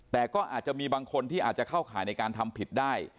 แต่ก็อาจจะมีบางคนที่อาจจะเข้าข่ายในการทำผิดได้